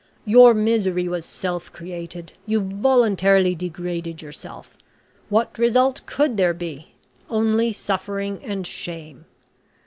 Your misery was self created. You voluntarily degraded yourself. What result could there be? Only suffering and shame."